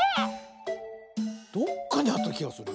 どっかにあったきがする。